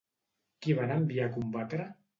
Qui van enviar a combatre?